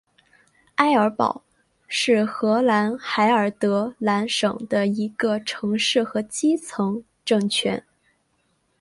埃尔堡是荷兰海尔德兰省的一个城市和基层政权。